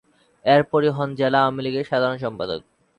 এরপরই হন জেলা আওয়ামী লীগের সাধারণ সম্পাদক।